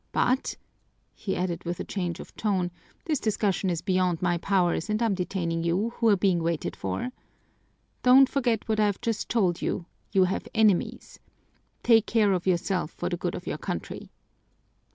But," he added with a change of tone, "this discussion is beyond my powers and I'm detaining you, who are being waited for. Don't forget what I've just told you you have enemies. Take care of yourself for the good of our country."